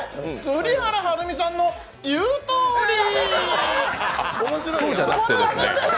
栗原はるみさんの言うとおり！